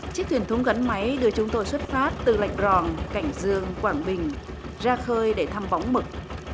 chiếc thuyền thúng gắn máy đưa chúng tôi xuất phát từ lệnh rong cảnh dương quảng bình ra khơi để thăm bóng mực